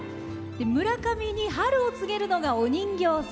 村上に春を告げるのがお人形様。